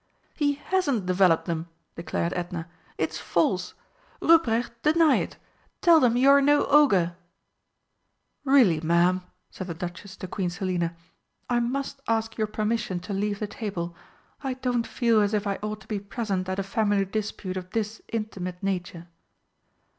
"He hasn't developed them!" declared Edna. "It's false! Ruprecht, deny it! Tell them you are no Ogre!" "Really, ma'am," said the Duchess to Queen Selina, "I must ask your permission to leave the table. I don't feel as if I ought to be present at a family dispute of this intimate nature."